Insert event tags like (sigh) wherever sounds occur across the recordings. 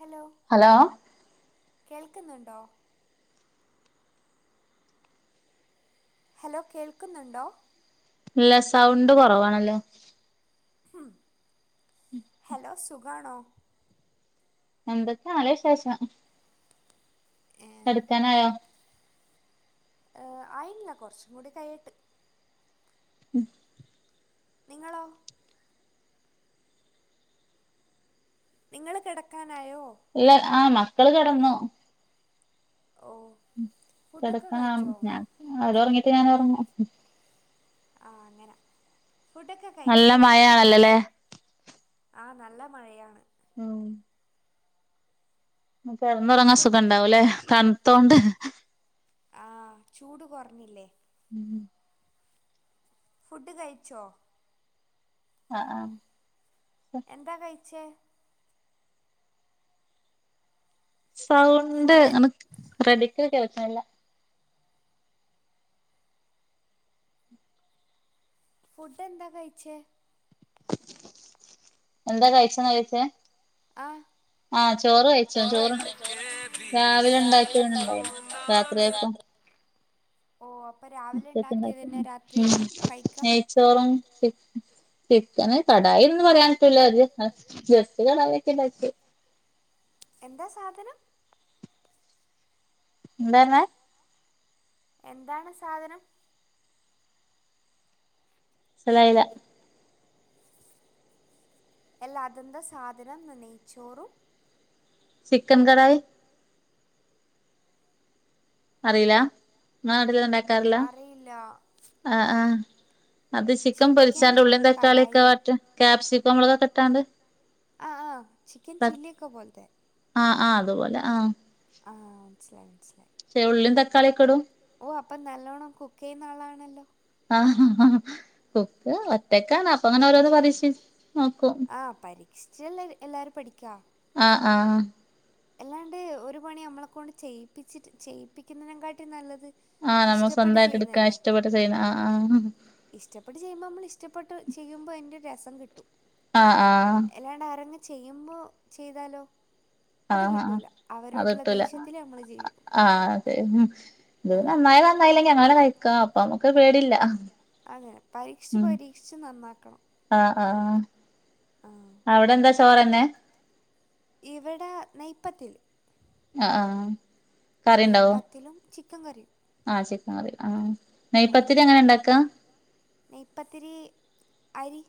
Hello hello കേൾക്കുന്നുണ്ടോ hello കേൾക്കുന്നുണ്ടോ ഇല്ല സൗണ്ട് കുറവാണല്ലോ ഹലോ സുഖണോ എന്തൊക്കെയ നല്ല വിശേഷം കിടുക്കാനായോ ഏർ ആയിട്ടില്ല കുറച്ചും കൂടി കൈട്ട് ഉം നിങ്ങളോ നിങ്ങൾ കിടക്കാൻ ഇല്ല ആ മക്കള് കിടന്നു ഓ ഫുഡൊക്കെ കിടക്കണം കഴിച്ചോ ഞാൻ അവർ ഉറങ്ങിട്ട് ഞാൻ ഉറങ്ങും ആ അങ്ങനെ ഫുഡൊക്കെ നല്ല കഴിച്ചോ മഴയാണല്ലോല്ലേ ആ നല്ല മഴയാണ് ഉം കെടന്നേറങ്ങാൻ ഫുഡ് സുഖണ്ടാവുല്ലേ തണത്തോണ്ട് ആ ചൂട് കുറഞ്ഞില്ലേ ഉം ഫുഡ് കഴിച്ചോ ആ ആ എന്താ കഴിച്ചേ സൗണ്ട് ഫുഡ് അനക്ക് റെഡിക്ക് കെക്കാനില്ല ഫുഡ് എന്താ കഴിച്ചേ എന്താ കഴിച്ചെന്നാ ചോയിച്ചെ ആ ചോറ് ആയിക്ക്ണ് രാവിലെ ഉണ്ടാക്കിയതന്നെ ഉണ്ടായിരുന്നു ണ്ടാക്കിയെത്ണ്ടായിനു രാത്രിയേക്കും രാത്രിയ ഉണ്ടാക്കിയത് തന്നെ രാത്രി ഉച്ചക്ക്ണ്ടാക്കിയെണ്ടായിനു കഴിക്കാം നെയച്ചോറും ചി ചിക്കന് കടായിന്ന് പറയൻ പറ്റൂല്ല അ ജസ്റ്റ് കടയൊക്കെ ണ്ടാക്കിയെ എന്താ സാധനം എന്താന്ന് എന്താണ് സാധനം സലായില എല്ലാ അതെന്ത സാധനംന്ന് നെയ്ച്ചോറും ചിക്കൻ കടായി അറില ഇങ്ങളെ നാട്ടിൽ ഇത് ഇണ്ടാക്കാറില്ല അറിയില്ല ആ ആ അത് ചിക്കൻ പൊരിച്ചാണ്ട് ഉള്ളിയും തക്കാളിയൊക്കെ വാട്ട ക്പ്സിക്കം മോളകൊക്കെട്ടാണ്ട് ആ ആ ചിക്കൻ ചി കോ ബോലത ആ ആ അതുപോലെ ആ ആ മനസ്സിലായി മനസ്സിലായി ഏ ഉള്ളിം തക്കാളിയോക്കെടും ഓ അപ്പൊ നല്ലോണം കുക്കെയ്യുന്ന ആളാണല്ലോ കുക്ക് ഒറ്റക്കാണ് അപ്പങ്ങനെ ഓരോന്ന് പരീക്ഷി ആ പരീക്ഷിച്ചല്ലെ എല്ലാരും പഠിക്കാ ആ ആ അല്ലാണ്ട് ഒരു പണി നമ്മളെ കൊണ്ട് ചെയ്യിപ്പിച്ചിട്ട് ചെയ്യിപ്പിക്കുന്നതിനെ കാട്ടി നല്ലത് ആ നമ്മൾ ഇഷ്ടപ്പെട്ട് സ്വന്തായിട്ട് എടുക്കാ ചെയ്യുന്നതല്ലേ ഇഷ്ടപ്പെട്ട് ചെയ്യണ ആ ആ ഇഷ്ടപ്പെട്ട് ചെയ്യുമ്പോ നമ്മൾ ഇഷ്ടപ്പെട്ട് ചെയ്യുമ്പോ ആയിൻ്റോരുരസം കിട്ടും ആ ആ അല്ലാണ്ട് ആരെങ്ങും ചെയ്യുമ്പോ ചെയ്താലോ അത് കിട്ടൂല അവരോടുള്ള ദേശ്യത്തില ആ അതെ ഇത് ആഹ് നന്നായ നന്നായാ നന്നായില്ലെങ്കിൽ ഞങ്ങളെന്നെ കഴിക്ക അപ്പൊ നമുക്ക് പേടില്ല അതനെ പരീക്ഷിച്ച് പരീക്ഷിച്ച് നന്നാക്കണം ആ ആഹ് അവിടെന്താ ചോറെന്നെ ഇവിടെ നെയ്പ്പത്തില് ആ ആ നെയ്പത്തിലും ചിക്കൻ കറിയും ആ ആഹ് നെയ്പത്തിരി അങ്ങനെണ്ടാക്ക നെയ്പ്പത്തിരി അരി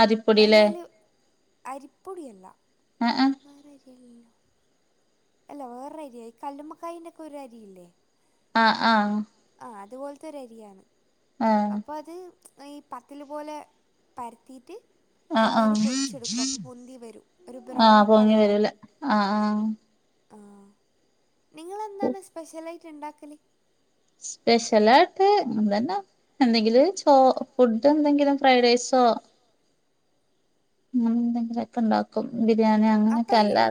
അരിപ്പൊടില്ലേ എണ്ണയില് അരിപ്പൊടിയല്ല ആഹ് വേറെ അരിയല്ലല്ലോ അല്ല വേറൊരു അരിയായികല്ലുമ്മക്കായിൻ്റൊക്കെ ഒരു അരിയില്ലേ ആ ആ അതുപോലത്തോരു അരിയാണ് അപ്പൊ അത് ഈ പത്തിൽ പോലെ പരത്തീട്ട് എണ്ണയിൽ പൊരിച്ചെടുക്കും അപ്പോ പൊന്തി വരും ഒരു ആ ബ്രൗൺ പൊങ്ങി കളറാവും വരൂല ആ ആഹ് ആ നിങ്ങളെന്താണ് സ്പെഷ്യലായിട്ട് ഉണ്ടാക്കല് സ്പെഷ്യലായിട്ട് നമ്മളന്നാ എന്തെങ്കില് ചോ ഫുഡ് എന്തെങ്കിലും ഫ്രൈഡ് റൈസോ ഉ എന്തെങ്കിലൊക്കെ ഉണ്ടാക്കും ബിരിയാണി അങ്ങനെയൊക്കെ അല്ലാ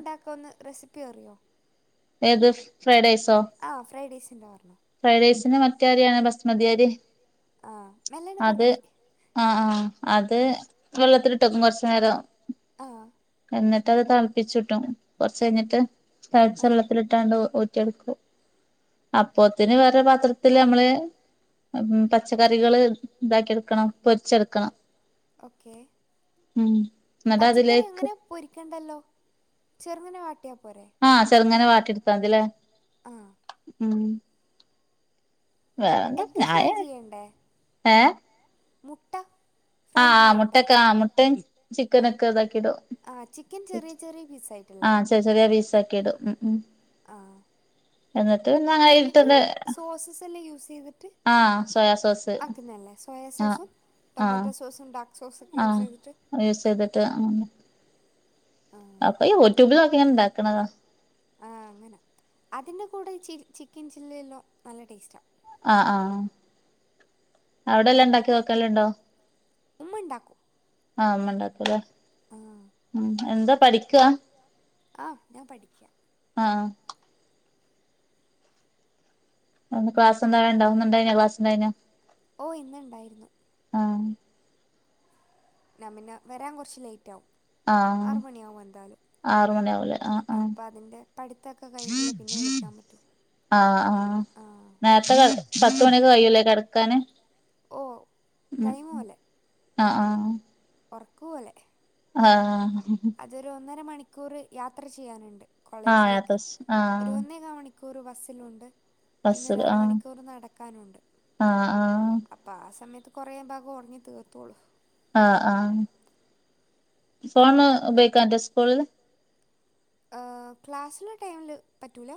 പറിയോ (unintelligible) ന്ത്‌ ഫ്രൈഡ് റൈസോ ഫ്രൈഡ് റൈസിൻ്റെ പറഞ്ഞോ ഫ്രൈഡ് റൈസിന് മാറ്റയരിയാണ് ബസ്മതിയരി ആ മെല്ലാണ് അത് പറഞ്ഞാൽ ആഹ ആഹ അത് വെള്ളത്തിലി ട്ട് വെക്കും കുറച്ചു നേരം ആഹ എന്നിട്ട് അത് തിളപ്പിച്ചിട്ടും കുറച്ച് കഴിഞ്ഞിട്ട് തിളച്ച വെള്ളത്തിലിട്ടാണ്ട് ഒരു എടുക്കും അപ്പത്തിന് വേറെ പാത്രത്തില് നമ്മള് പച്ചക്കറികള് ഇതാക്കി എടുക്കണം പൊരിച്ചെടുക്കണം ഓക്കെ ഉം എന്നിട്ട് പച്ചക്കറി അതിലേക്ക് എങ്ങനെ പൊരിക്കണ്ടല്ലോ ചെറുങ്ങനെ വാട്ടിയ ആഹ ചെറുങ്ങനെ വാട്ടി എടുത്താമതില്ലേ ആ ഉം വന്ത എഗ്ഗ് ഫ്രൈ ആയാ ചെയ്യണ്ടേ ആഏ (unintelligible) മുട്ട ഫ്രൈ ആഹ് ആ ചെയ്യണ്ടേ മുട്ടൊക്കെ ആമുട്ടയും ചിക്കനൊക്കെ ഇതൊക്കെ ക്കിടും ആ ചിക്കൻ ചെറിയ ചെറിയ പീസ് ആ ആയിട്ടല്ലേ ചെറിയ ചെറിയ പീസ് ആക്കിടും ഉ ഉം ആഹ എന്ന എന്നിട്ട് സോസസ്എല്ലാം യൂസ് ചെയ്തിട്ട് ആഹ് സോയാ സോസ് ആക്കുന്നയല്ലേ സോയ സോസ് സോസും ടൊമാറ്റോ സോസും ഉണ്ടാക്ക ആഹ യൂസ് ചെയ്തിട്ട് ആന്ന് ആ അപ്പൊ യൂട്യൂബിലൊക്കാ ഉണ്ടാക്കണതാ ആ അങ്ങനെ അതിൻ്റെ കൂടെ ചി ചിക്കൻ ചില്ലില്ലോ നല്ല ടേസ്റ്റ ആ ആഹ ആഹ് അവിടെല്ലാം ഉണ്ടാക്കി നോക്കലുണ്ടോ ഉമ്മ ഉണ്ടാക്കും ആ അമ്മഉണ്ടാക്കുല്ലേ ആ ഉം എന്താ പഠിക്കുവാ ആഹ ഞാൻ പഠിക്കാ ആഹ ഒന്ന് ക്ലാസ് എന്തണ്ട ഒന്നുണ്ട ക്ലാസ്ണ്ട (unintelligible) ഓ ഇന്നുണ്ടായിരുന്നു നഞാമന്നെ വരാൻ കുറച്ച് ലേറ്റ് ആകും ആഹ് ആറ് മണിയാകും എന്തായാലും ആറ് മണിയാവൂലേ ആഹ് ആഹ് അപ്പൊ അതിന്റെ പഠിത്തൊക്കെ കഴിഞ്ഞിട്ടല്ലേ പിന്നെ വിളിക്കാൻ പറ്റോ ആഹ് ആഹ നേരത്തെ പത്തുമണിക്ക് കയല്ലേ കിടക്കാന് ഓ ഉ ഉ ടൈം ആഹ ആഹ ഉറക്കുവോലെ ആഹ അതൊരു ഒന്നര മണിക്കൂർ യാത്ര ചെയ്യാനുണ്ട് ആഹ ത ആഹ മിക്കൂറ് ബസ്സിലുണ്ട് പിന്നെ ഒരു ആഹ് അരമണിക്കൂർ നടക്കാനുണ്ട് ആഹ് ആഹ് അപ്പൊ ആ സമയത്ത് കുറേ ഭാഗം ഉറങ്ങി തീർത്തോളൂ ആഹ ആഹ ഫോണ് ഉപയോഗിക്കാം അന്റാ സ്കൂളില് ക്ലാസ്സില് ടൈമില് പറ്റൂലോ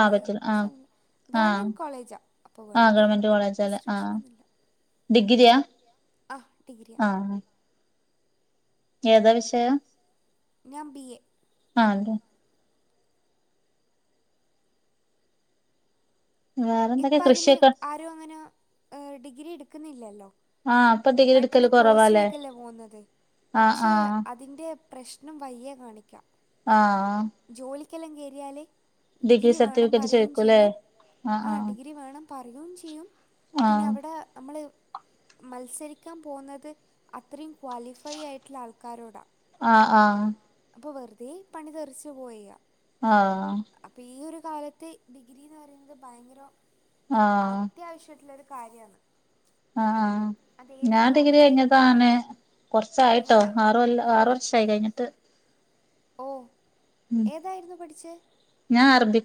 ആഹ് പറ്റില്ല ആഹ് ആഹ് ഗവൺമെന്റ് കോളേജാ അപ്പൊ ആഹ് വേണ്ട ഗവൺമെന്റ് കോളേജല്ലേ ആഹ് റെസ്ട്രിക്ഷൻൊന്നുമില്ല (inaudible) ഡിഗ്രിയാ? ആ ഡിഗ്രിയ. ആഹ് ഏതാ വിഷയം? ഞാൻ ബി എ. അൽടെ വേറെന്തൊക്കെ ഇപ്പതിന് കൃഷിയൊക്കെ ആരുവങ്ങന ഏ ഡിഗ്രി എടുക്കുന്നില്ലല്ലോ. ആഹ് ഇപ്പൊ ഡിഗ്രി പെട്ടെന്ന് എടുക്കല് കൊറവാല്ലേ കോഴ്സിലേക്കല്ലേ പോകുന്നത് ആഹ് പക്ഷെ ആഹ് അതിന്റെ പ്രശ്നം വഴിയെ കാണിക്കാം. ആ ക്കില്ലാം കേറിയാല് ഡിഗ്രി സർട്ടിഫിക്കറ്റ് ചോദിക്കൂലേ ആ ആ ഡിഗ്രി വേണം പറയും ചെയ്യും പിന്നെ ആഹ് അവിടെ അമ്മള് മത്സരിക്കാൻ പോന്നത് അത്രയും ക്വാളിഫൈ ആയിട്ടൊള്ള ആൾക്കാരോടാ. ആ ആ അപ്പ വെറുതെ പണി തെറിച്ച് പോയ ആ അപ്പോൾ ഈ ഒരു കാലത്ത് ഡിഗ്രിന്ന് പറയുന്നത് ഭയങ്കര ആഹ് ആഹ് അത്യാവശ്യട്ടുള്ളൊരു കാര്യാണ്. ആ ആ ആ ഞാൻ ഡിഗ്രി കഴിഞ്ഞതാണ് ചെയ്യുമ്പോഴായാലും കൊറച്ചായിട്ടോ എങ്ങനെ ആറ്കൊല്ല ആറ് വർഷായി കഴിഞ്ഞിട്ട്. ട്ട്. ഓ ഏതായിരുന്നു പഠിച്ചേ?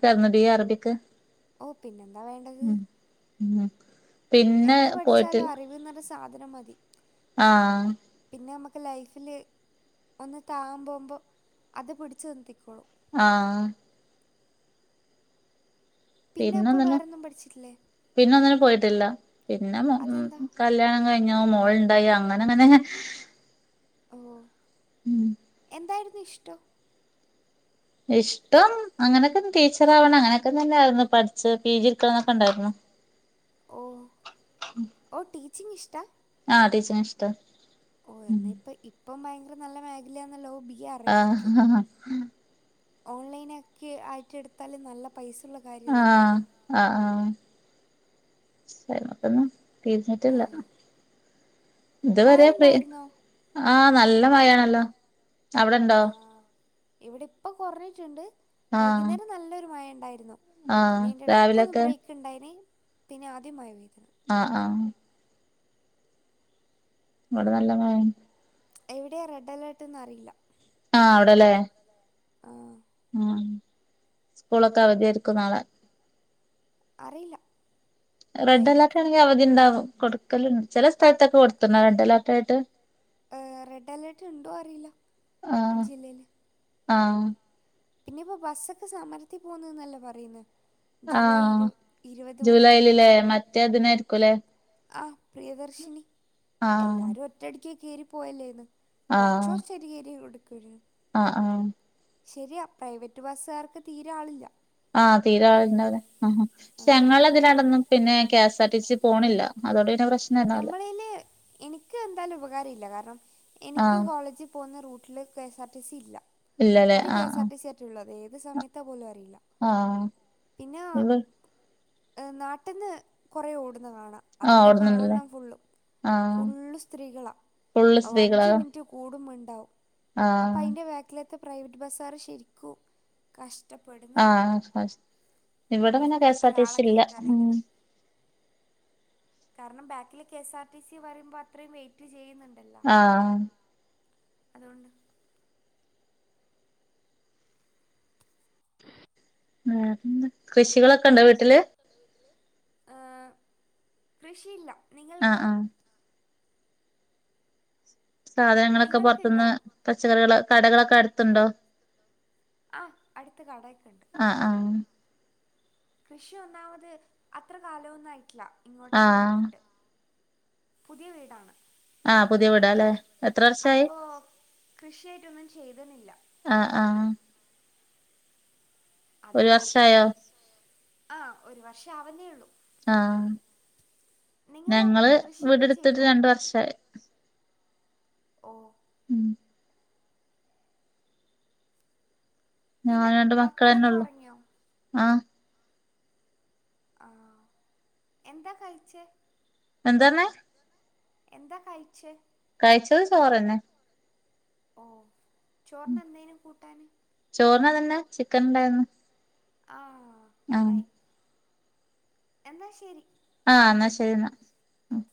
സെമദിയ അറബിക്. ഓ പിന്നെന്താ വേണ്ടത്. ഉം പിന്നെ എന്ത് പഠിച്ചാലും പോയിട്ടില്ല. അറിവ് എന്നൊരു സാധനം മതി. ആ പിന്നെ മ്മക്ക് ലൈഫില് ഒന്ന് താം പോമ്പോ അത് പിടിച്ചു നിർത്തിക്കോളും. ആ പിന്നെ അപ്പൊ പിന്നൊന്നിനും വേറോന്നും പഠിച്ചിട്ടില്ല? പിന്നൊന്നിനും പോയിട്ടില്ല പിന്നെ മോ ഉം അതെന്താ കല്യാണം കഴിഞ്ഞ് ഞ്ഞോ മോൾണ്ടായി അങ്ങനങ്ങനെ ഓ ഉം എന്തായിരുന്നു ഇഷ്ടം? ഇഷ്ടം അങ്ങനൊക്കെ ടീച്ചർ ആവണ അങ്ങനൊക്കെ തന്നാരുന്നു പഠിച്ച് പി ജി ക്കെ അങ്ങനൊക്കെണ്ടാരുന്നു. ഓ ഓ ടീച്ചിങ്ങിഷ്ടാ? ആ ടീച്ചിങ്ങിഷ്ട്ടാ. ഓ എന്നാ ഇപ്പ ഇപ്പം ഭയങ്കര നല്ല മേഖലയാന്നല്ലോ ബി എ ആ ഓൺലൈനക്കെ ആയിട്ടെടുത്താലും നല്ല പൈസ ഉള്ള ആ കാര്യമല്ലത് ആ ആ (unintelligible) ആ തീർന്നിട്ടില്ല. മഴ ഇതുവരെ പെ ഉണ്ടായിരുന്നോ ആ നല്ല മഴയാണല്ലോ അവിടെണ്ടോ? ആഹ് ഇവിടെ ഇപ്പം കൊറഞ്ഞിട്ടുണ്ട് ആഹ് വൈകുന്നേരം നല്ലൊരു മഴണ്ടായിരുന്നു. ആഹ് പിന്നെ എടക്കൊരു രാവിലൊക്കെ ബ്രേക്ക് ഇണ്ടായ്നി പിന്നെ ആദ്യം മായ്നി ആ ആ ഇവടെ നല്ലതായിന്. എവിടെയാ റെഡ് അലേർട്ട്ന്ന് അറിയില്ല. ആ അവടലേ. ആ ആ സ്കൂളൊക്കെ അവധിയായിരിക്കും നളെ അറിയില്ല റെഡ് ആയിരിക്കും അലേർട്ട് ആണെങ്കിൽ അവധിണ്ടാവ കൊടുക്കലണ്ട് ചില സ്ഥലത്തൊക്കെ കൊടുത്തുന്ന റെഡ് അലേർട്ട ആായിട്ട് റെഡ് അലേർട്ട ഉണ്ടോ അറിയില്ല ജില്ലയില് ആ പിന്നെ ഇപ്പോൊ ബസ്സൊക്കെ സമരത്തി പോുന്നന്നല്ലേ പറയുന്ന ആ ജൂലൈലല്ലേ മറ്റേ അതിനായിരിക്കുംല്ലേ ആ പ്രിയദർശിനി ആഹ് എല്ലാരും ഒറ്റടി എ കയറി പോയല്ലേന്ന് കുറച്ച കുറച്ച് ചേരി കയറി എടുക്കുവു ആ ആ ശരിയാ പ്രൈവറ്റ് ബസ്സുകാർക്ക് തീരാ ആളില്ല ആ തീരാരെ ആ ആഹ്. ഞങ്ങ ഇതിനടന്നു പിന്നെ തറ്റിച്ച് പോണില്ല അതോടെ നമ്മളെ എനിക്ക് എന്തായാലും ഉപകാര ഇല്ല കാരണം എനിക്ക് ആഹ് കോളേജിൽ പോകുന്നൂ വീട്ട കെ ആർ ടി സി ഇല്ല ഇല്ലല്ലേ ആഹ് കെഎസ്ആർ ടി സി ആട്ട ഏത് സമയല ആ ഉ നാട്ടിൽന്ന് കുറേ ഓടുന്ന കാണാം ആഹ് അതൊക്കെ ഓടുന്നുണ്ടല്ലേ കാണണം ഫുള്ള് ആഹ് ഫുള്ള് സ്ത്രീകൾ ഫുള്ള് അ സ്ത്രീകളാ അഞ്ച് മിനിറ്റ് കുടു ആവും അപ്പൊ ആഹ് അതിൻ്റെ ബാക്കിലത്തെ പ്രൈവറ്റ് ബസ്സുകാർ ശരിക്കും കശ് ആ ഇവിടെ പിന്നെ കെ എസ് ആർ ടിസി ഒരാളെ ഇല്ല ഉ കയറ്റാണെങ്കിലും. കാരണം ബാക്കില് K S R T C പറയ്പോ അത്രയും വെയിറ്റ് ചെയ്യുന്നുണ്ടല്ലോ ആഹ് അതുകൊണ്ട് ആ കൃഷികളൊക്കെ ഉണ്ടോ വീട്ടില് ആ ഏ കൃഷിയില്ല ആ നിങ്ങൾക്കോ ആ സാധനങ്ങളൊക്കെ നിങ്ങൾക്കുണ്ടോ പുറത്തുന്ന് പച്ചക്കറികൾ കടകളൊക്കെ എടുത്തുണ്ടോ ആ അടുത്ത കടക്ക് ആഹ് ആഹ് കൃഷി ഒന്നാമത് അത്ര കാലമൊന്നും ആയിട്ടില്ല ഇങ്ങോട്ടേക്ക് ആഹ് വന്നിട്ട് പുതിയ വീടാണ് ആ പുതിയ വിടല്ലേ എത്ര വർഷയി ഒന്നും ചെയ്തുന്നില്ല ഒരു അതുകൊണ്ടാ വർഷയോ ആ ഒരു വർഷം ആവുന്നേ ഉള്ളൂ ആ നിങ്ങളോ ഞങ്ങള് കൃഷിയൊക്കെ വീടെടുത്തിട്ട് ചെയ്യുവോ രണ്ട വർഷ ഓ ഉം ഞാൻ പിന്നെ രണ്ട് മക്കളന്നെ മക്കളൊക്കെ ഉള്ളു ഉറങ്ങിയോ ആ ആ എന്താ കഴിച്ച എന്താണ് എന്താ കഴച്ച് കഴിച്ചത് ചോറ്ന്നെ ഓ ചോറിന് എന്തേനു കൂട്ടാന് ചോറിനതന്നെ ചിക്കൻ ഇണ്ടായിന്ന് ആ കടായി എന്ന ശരി ആ എന്നാ ശരി എന്നാ ഓക്കെ